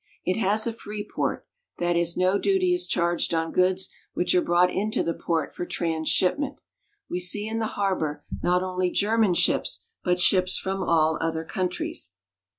It has a free port ; that is, no 196 GERMANY. duty is charged on goods which are brought into the port for transshipment. We see in the harbor, not only German ships, but ships from all other countries.